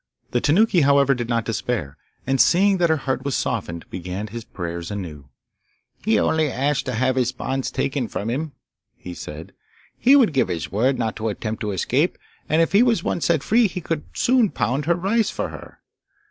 The Tanuki, however, did not despair, and seeing that her heart was softened, began his prayers anew. 'He only asked to have his bonds taken from him,' he said. 'He would give his word not to attempt to escape, and if he was once set free he could soon pound her rice for her.